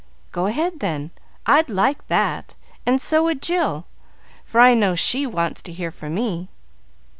"Go ahead, then. I'd like that, and so would Jill, for I know she wants to hear from me."